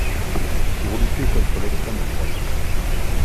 Pour lutter contre l’extrême droite.